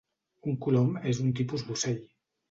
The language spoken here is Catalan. Un colom és un tipus d'ocell.